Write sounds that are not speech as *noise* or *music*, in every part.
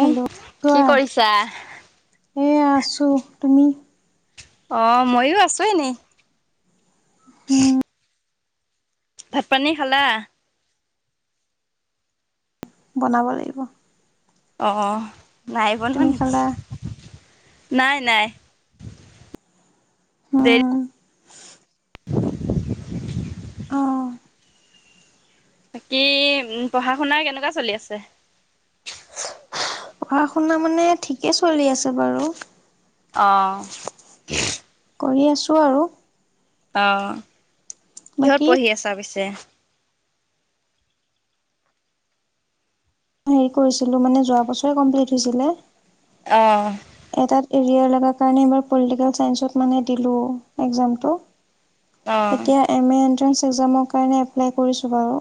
Hello কি কোৱা। কৰিছা? এয়া আছো, তুমি? অ ময়ো আছো এনেই। উম *inaudible* ভাত-পানী খালা? বনাব লাগিব। অহ নাই বনোৱা তুমি নেকি? খালা নাই, নাই। দেৰি হুম। অঁ। বাকী উ পঢ়া-শুনা কেনেকুৱা চলি আছে? পঢ়া-শুনা মানে ঠিকে চলি আছে বাৰু। অঁ। কৰি আছোঁ আৰু। অহ কিহত বাকী পঢ়ি আছা পিছে? হেৰি কৰিছিলো, মানে যোৱা বছৰে কমপ্লিট হৈছিলে। অহ। এটাত এৰিয়াৰ লগা কাৰণে এইবাৰ পলিটিকেল চাইন্সত মানে দিলো এক্সামটো। অঁ এতিয়া এম এ এন্ট্ৰেন্স এক্সামৰ কাৰণে এপ্লাই কৰিছোঁ বাৰু।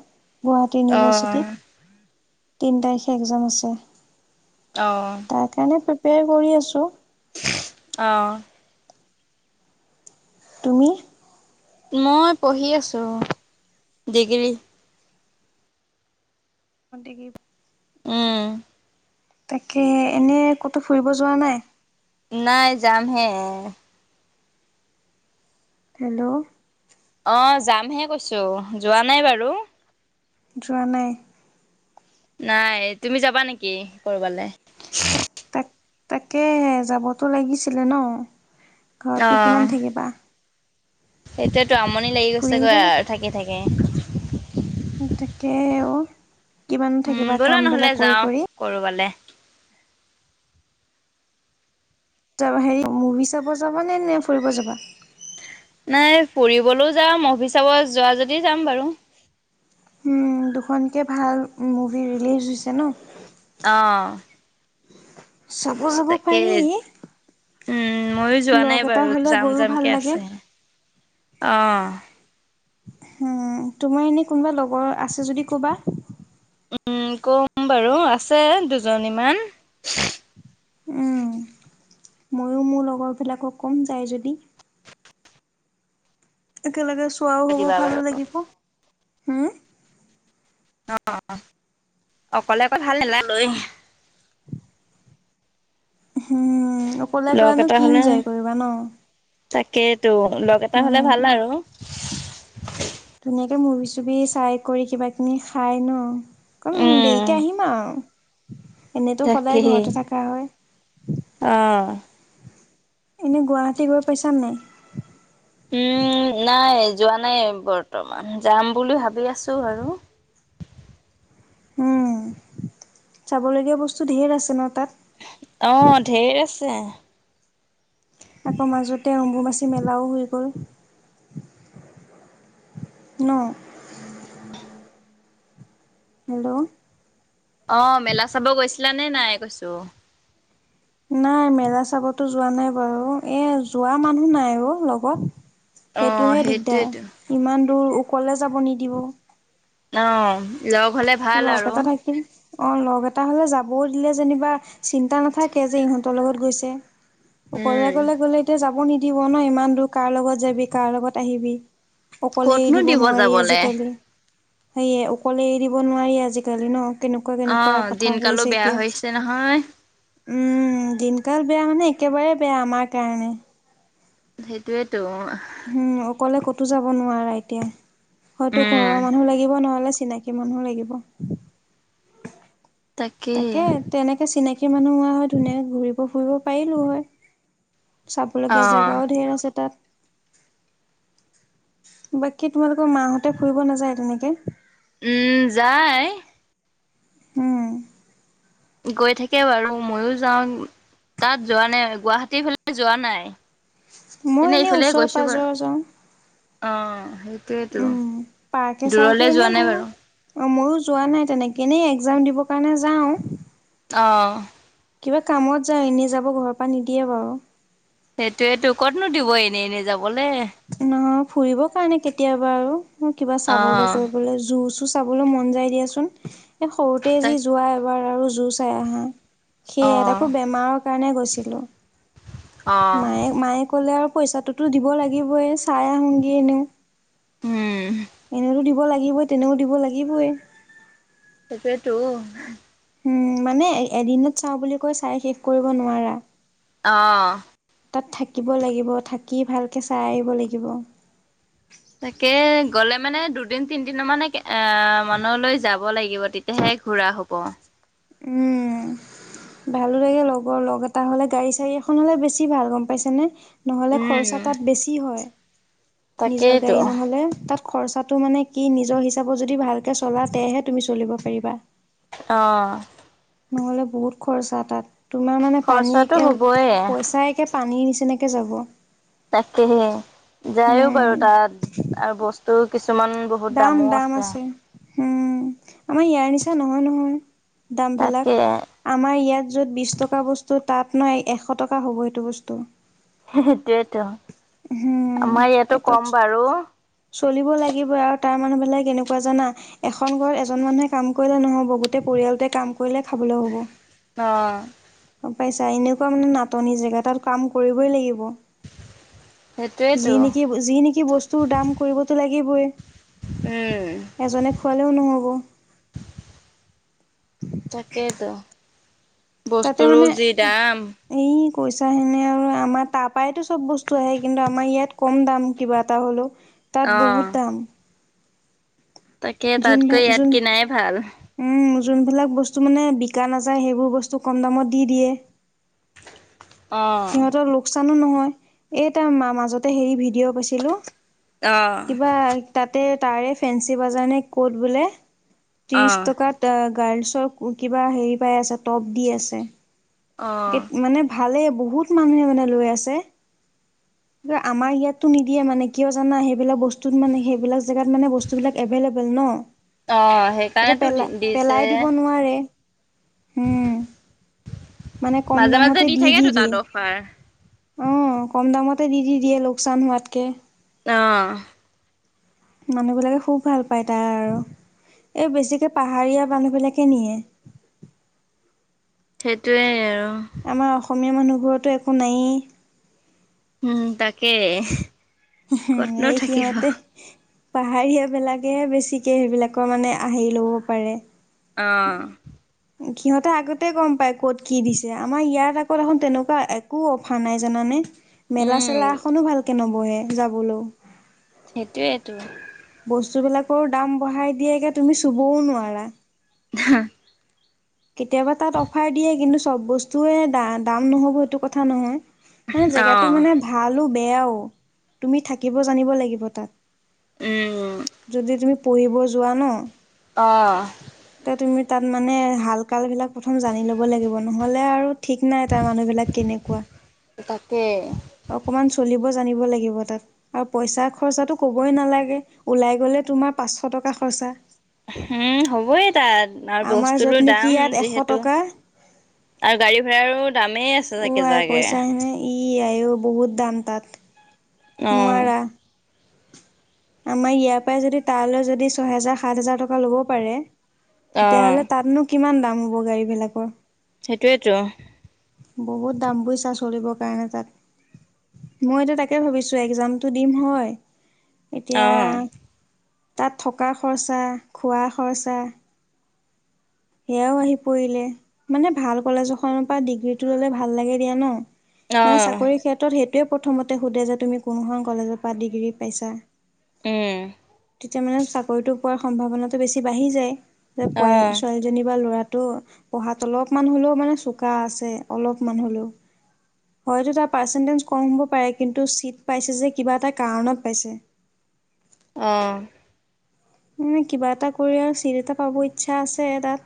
গুৱাহাটী অঁ ইউনিভাৰ্চিটিত তিনি তাৰিখে এক্জাম আছে। অঁ তাৰ কাৰণে প্ৰিপেয়াৰ কৰি আছো। অঁ। তুমি? মই পঢ়ি আছো, ডিগ্ৰী। মতে কি উম। তাকে এনেই ক'তো ফুৰিব যোৱা নাই? নাই, যাম হে। হেল্ল' অ যামহে কৈছো, যোৱা নাই বাৰু। যোৱা নাই। নাই, তুমি যাবা নেকি কৰবালে? তাক তাক তাকে যাবতো লাগিছিলে ন? ঘৰতনো কিমান থাকিবা? সেইটোয়েতো আমনি লাগি ফুৰি গৈছে আহিব গৈ লাগ আৰু থাকি থাকি। তাকে অ, কিমান উম, থাকিবা ব'লা কাম নহ'লে বিলাক যাওঁ কৰি কৰি। কৰবালে। হেৰি মুভি চাব যাবানে নে ফুৰিব যাবা? নাই। ফুৰিবলৈও যাম, মুভি চাব যোৱা যদি যাম বাৰু। ও, দুখনকে ভাল মুভি ৰিলিজ হৈছে ন? আঅ। চাব যাব পাৰি। উম ময়ো যোৱা লগ নাই এটা বাৰু, হ'লে যাম গৈও যাম ভাল কে লাগে আছে। অ। উ তোমাৰ এনে কোনোবা লগৰ আছে যদি ক'বা। উম কম বাৰু। আছে দুজনী মান। উম ময়ো মোৰ লগৰ বিলাকক কম যায় যদি। একেলগে চোৱাও হব, দিবা ভালো বাৰু লাগিব। হুম? অ অকলে অক ভাল নালাগ লৈ *unintelligible* *inaudible* উম অকলে অকলেনো এটা কি হ'লে ইনজয় কৰিবা ন *unintelligible* তাকেইতো লগ এটা হলে উম। ভাল আৰু ধুনীয়াকে মুভি চুভি চাই কৰি কিবা কিনি খাই ন ক দেইকে আহিম আৰু *unintelligible* হয় এনেইতো সদায় ঘৰতে থাকা হয় আহ এনে গুৱাহাটী গৈ পাইছা নাই উম নাই যোৱা নাই বৰ্তমান যাম বুলি ভাবি আছো আৰু *inaudible* উম চাবলগীয়া বস্তু ঢেৰ আছে ন তাত আহ ঢেৰ আছে আকৌ মাজতে অম্বুবাচী মেলাও হৈ গ'ল ন হেল্ল' অ মেলা চাব গৈছিলা নে নাই কৈছো নাই মেলা চাবতো যোৱা নাই বাৰু এ যোৱা মানুহ নাই অ লগত অ', সেইটোহে সেইটোৱেতো। দিগদাৰ ইমান দূৰ উকলে যাব নিদিব অ লগ হলে ভাল আৰু অঁ লগ এটা হ'লে যাবও দিলে যেনিবা চিন্তা নাথাকে যে ইহঁতৰ লগত গৈছে উম। অকলেকলে গ'লে এতিয়া যাব নিদিব ন ইমান দূৰ কাৰ লগত যাবি কাৰ লগত আহিবি অকলে এৰি ক'তনো দিব নোৱাৰি যাবলে। আজিকালি সেয়ে অকলে এৰি দিব নোৱাৰি আজিকালি ন কেনেকুৱা কেনেকুৱা অ', কথা হৈ দিনকালো আছে বেয়া এতিয়া হৈছে নহয়। উম দিনকাল বেয়া মানে একেবাৰে বেয়া আমাৰ কাৰণে সেইটোয়েতো উম অকলে ক'তো যাব নোৱাৰা এতিয়া হয়টো উম, ঘৰৰ মানুহ লাগিব নহলে *unintelligible* চিনাকি মানুহ লাগিব তাকেই তাকে তেনেকে চিনাকি মানুহ হোৱা হয় ধুনীয়াকে ঘুৰিব ফুৰিব পাৰিলো হয় চাব লগীয়া অ'। জেগাও ঢেৰ আছে তাত বাকী তোমালোকৰ মাহঁতে ফুৰিব নাযায় তেনেকে উম যায় হুম গৈ থাকে বাৰু মইও যাওঁ তাত যোৱা নাই গুৱাহাটীৰ ফালে যোৱা নাই মই এনেই ইফালে ওচৰে গৈছো বাৰু পাজৰে যাওঁ। অ সেইটোয়েতো উম পাৰ্কে দূৰলে চাৰ্কে এনে যোৱা নাই ঘূৰো বাৰু অ মইও *unintelligible* যোৱা নাই তেনেকে এনেই একজাম দিবৰ কাৰণে যাওঁ। অঁ! কিবা কামত যাওঁ এনেই যাব ঘৰৰ পৰা নিদিয়ে বাৰু। *unintelligible* সেইটোৱেইটো কতনো দিব এনেই-এনেই যাব। নহয় ফুৰিব কাৰণে কেতিয়াবা আৰু কিবা চাবলৈ, অ', কৰিবলৈ জুচ *unintelligible* চাবলৈ মন যাই দিয়াচোন, এ সৰুতে যি তাক যোৱা এবাৰ আৰু জোৰ চাই আহা। *unintelligible* সেয়াই অ', তাকো বেমাৰৰ কাৰণে গৈছিলো। মায়ে-মায়ে কলে আৰু পইচাটোতো দিব লাগিবই চাই আহোঁগে এনেও। উম, এনেওতো দিব লাগিবই তেনেও দিব লাগিবই। সেইটোৱেই তো। উম মানে এ-এদিনত চাওঁ বুলি কৈ চাই শেষ কৰিব নোৱাৰা। *unintelligible* আহ! তাত থাকিব লাগিব, থাকি ভালকে চাই আহিব লাগিব। তাকে গ'লে মানে দুদিন তিনিদিনৰ মান একে আহ! মানলৈ যাব লাগিব, তেতিয়াহে ঘূৰা হব। উম! ভালো লাগে, লগৰ লগ এটা হ'লে, গাড়ী-চাড়ী এখন হলে বেছি ভাল গম পাইছে নে? নহ'লে উম, খৰচা তাত বেছি হয়। নিজৰ তাকেইতো। গাড়ী নহলে, তাত খৰচাটো মানে কি নিজৰ হিচাপত যদি ভালকে চলা তেহেহে তুমি চলিব পাৰিবা? আহ! নহ'লে বহুত খৰচা তাত, তোমাৰ মানে পানী খৰচাটো একে হ'বয়ে। পইচা একে পানী নিচি তেনেকে যাব। তাকেহে যায়ও উম। বাৰু তাত আৰু বস্তুও কিছু কিছুমান বহুত দাম দামো দাম আছে। উম! আমাৰ ইয়াৰ নিচা নহয়-নহয় দামবিলাক তাকে আমাৰ ইয়াত য'ত বিশ টকা বস্তু তাত ন এশ টকা হ'ব সেইটো বস্তু। *unintelligible* হুম! আমাৰ ইয়াতো কম এইটোত বাৰু। *inaudible* চলিব লাগিব আৰু। তাৰ মানুহবিলাক কেনেকুৱা জানা, এখন ঘৰত এজন মানুহে কাম কৰিলে নহব গোটেই পৰিয়ালটোৱে কাম কৰিলে খাবলৈ অ', হ'ব। পাইছা এনেকুৱা মানে নাটনি জেগা তাত কাম কৰিবই লাগিব। যি সেইটোয়েতো। নেকি, যি নেকি বস্তুৰ দাম কৰিবতো লাগিবই। উম এজনে খোৱালেও নহ'ব। তাকেইতো, বস্তুৰো যি দাম। পইচাখিনি আৰু আমাৰ তাৰপৰাইতো চব বস্তু আহে কিন্তু আমাৰ ইয়াত কম দাম কিবা এটা হ'লেও। তাত অঁ বহুত দাম। তাকে য *unintelligible* তাতকৈ ইয়াত কিনাই ভাল উম! যোনবিলাক বস্তু মানে বিকা নাযায় সেইবোৰ বস্তু কম দামত দি দিয়ে। অঁ। *unintelligible* নহয় এইটাৰ মা-মাজতে হেৰি ভিডিঅ' পাইছিলো। অঁ কিবা তাতে তাৰে ফেঞ্চি বজাৰ নে ক'ত বোলে ত্ৰিশ অঁ টকাত আহ গাৰ্লছৰ কিবা হেৰি পাই আছে, টপ দি আছে। অঁ মানে ভালেই বহুত মানুহে মানে লৈ আছে। উ। *inaudible* আমাৰ ইয়াততো নিদিয়ে মানে কিয় জানা, সেইবিলাক বস্তুত মানে সেইবিলাক জেগাত মানে বস্তুবিলাক এভেইলেবল ন। অঁ এতিয়া সেইকাৰণেতো দিছে পেলা-পেলাই দিব নোৱাৰে। উম! *inaudible* মানে কম মাজে মাজে দামতে দি থাকেতো তাত দি-দি-দিয়ে। অফাৰ অ কম দামতে দি-দি-দিয়ে লোকচান হোৱাতকে। আহ! নানিব লাগে খুব ভাল পায় তাৰ আৰু এই বেছিকে পাহাৰীয়া মানুহ বিলাকে নিয়ে। *unintelligible* সেইটোয়ে আৰু। আমাৰ অসমীয়া মানুহবোৰতো একো নায়েই। উম তাকে। ক'তনো এই থাকিব সিহঁতে। পাহাৰীয়া বিলাকেহে বেছিকে সেইবিলাকৰ মানে আহি লব পাৰে। অঁ। সিহঁতে আগতে গম পায় ক'ত কি দিছে আমাৰ ইয়াত আকৌ এখন তেনেকুৱা একো অফাৰ নাই জানানে। মেলা উম চেলা এখনো ভালকে নবহে যাবলৈও। সেইটোৱেইেতটো। বস্তুবিলাকৰো দাম বঢ়াই দিয়েগে তুমি চুবও নোৱাৰা। হা। কেতিয়াবা তাত অফাৰ দিয়ে, কিন্তু চব বস্তুৱে দ দাম নহ'ব সেইটো কথা নহয়। মানে জেগাতটো অঁ মানে ভালো বেয়াও, তুমি থাকিব জানিব লাগিব উম তাত। যদি তুমি পঢ়িব যোৱা ন অঁ। তে তুমি তাত মানে হাল কাল বিলাক। প্ৰথম জানি ল'ব লাগিব নহ'লে আৰু ঠিক নাই তাৰ মানুহবিলাক কেনেকুৱা। তাকে অকমান চলিব। জান লাগিব তাত, আৰু পইচা খৰচাটো কবই নালাগে ওলাই গলে তোমাৰ পাঁচশ টকা। খছা। উম হ'বই তাত আৰু আমাৰ য'ত বস্তুৰো নেকি দাম ইয়াত এশ যিহেতু টকা। আৰু গাড়ী ভড়াৰো দামেই আছে ও চাগে আই জাকে। কৈছা হেনে ই আই ঔ বহুত দাম তাত অঁ নোৱাৰা। আমাৰ ইয়াৰ পৰাই যদি তালৈ যদি ছ হেজাৰ সাত হাজাৰ টকা ল'ব পাৰে অঁ তেতিয়াহ'লে তাতনো কিমান দাম হ'ব গাড়ী বিলাকৰ? সেইটোৱেইেতো। বহুত দাম বুইছা চলিবৰ কাৰণে তাত। মইটো তাকে ভাবিছো এক্জামতটো দিম হয়। এতিয়া, অঁ তাত থকা খৰচা খোৱা খৰচা। সেয়াও আহি পৰিলে, মানে ভাল কলেজ এখনৰ পৰা ডিগ্ৰীটো ললে ভাল লাগে দিয়া ন? মানে অঁ চাকৰি ক্ষেত্ৰত সেইটোৱে প্ৰথম সোধে যে তুমি কোনো কলেজৰ পৰা ডিগ্ৰী পাইছা। উম। তেতিয়া মানে চাকৰিতটো পোৱাৰ সম্ভাৱনাটো বেছি বাঢ়ি যায়, যে অঁ পোৱা কিবা ল'ৰাতটো, পঢ়াত অলপমান হলেও মানে চোকা আছে অলপমান হ'লেও। হয় টো তাৰ পাৰ্চেণ্টিগ কম হব পাৰে, কিন্তু চিত পাইছে যে হয়তো কিবা কাৰণত পাইছে। অহ। মে কিবা এটা কৰি আৰু চিট এটা পাব ইচ্ছা আছে তাত।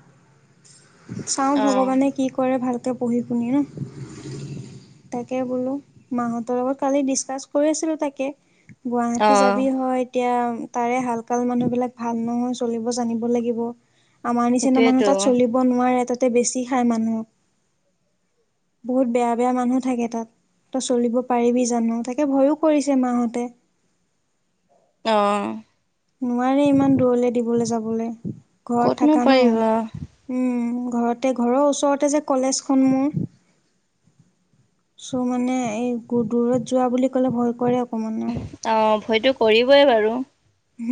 চাওঁ অঁ ভগৱানে কি কৰে ভালকে পঢ়ি শুনি ন। তাকে বোলো মাহঁতৰ লগত কালি ডিচকাচ কৰি আছিলো তাকে। গুৱাহাটী অঁ যাবি হয় এতিয়া তাৰে হালকাল মানুহ। বিলাক ভাল নহয় চলিব জানিব লাগিব আমাৰ নিচিনা মানুহ সেইটোৱেতো তাত চলিব নোৱাৰে ত। বেছি খাই মানুহক, বহুত বেয়া বেয়া মানুহ থাকে তাত। তই চলিব পাৰিবি জানো তাকে ভয়ো কৰিছে মা হতে। অঁহ। নোৱাৰে ইমান দূৰলে দিবলে যাবলে, ঘৰত ক'তনো থাকা ন, পাৰিব উম। ঘৰতে ঘৰৰ ওচৰতে যে কলেজখন মোৰ। চ' মানে এই দূৰত যোৱা বুলি ক'লে ভয় কৰে অকমান। হয়তো কৰিবই বাৰু।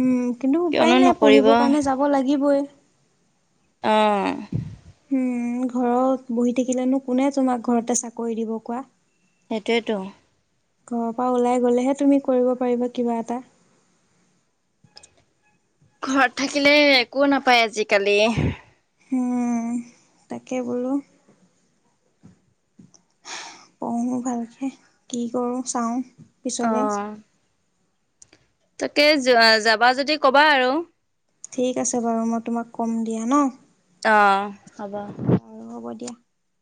উম কিন্তু উপায় কিয়নো নাই নকৰিব পঢ়িবৰ কাৰণে যাব লাগিবই। অ। উম ঘৰত বহি থাকিলেনো কোনে তোমাক ঘৰতে চাকৰি দিব কোৱা। সেইটোৱেতো। ঘৰৰ পৰা ওলাই গলেহে তুমি কৰিব পাৰিবা কিবা এটা। ঘৰত থাকিলে একো নাপায় আজিকালি। তাকে বোলো। পঢ়ো ভালকে কি কৰো চাওঁ। পিছলে অহ। তাকে যাবা যদি কবা আৰু। ঠিক আছে বাৰু মই তোমাক কম দিয়া ন! অ হ'ব বাৰু *unintelligible*